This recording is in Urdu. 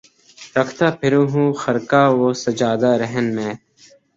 رکھتا پھروں ہوں خرقہ و سجادہ رہن مے